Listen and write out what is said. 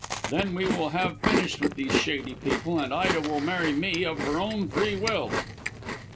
Then we will have finished with these shady people, and Ida will marry me of her own free will."